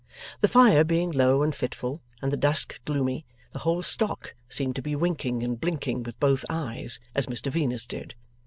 The fire being low and fitful, and the dusk gloomy, the whole stock seemed to be winking and blinking with both eyes, as Mr Venus did.